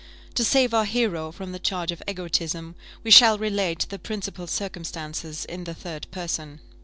To save our hero from the charge of egotism, we shall relate the principal circumstances in the third person.